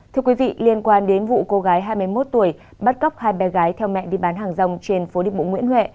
thưa quý vị liên quan đến vụ cô gái hai mươi một tuổi bắt cóc hai bé gái theo mẹ đi bán hàng rong trên phố đi bộ nguyễn huệ